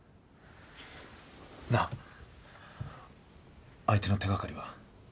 なあ相手の手がかりは？